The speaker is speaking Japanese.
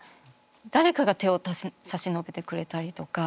誰かが手を差し伸べてくれたりとか。